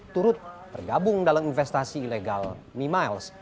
turut tergabung dalam investasi ilegal mi miles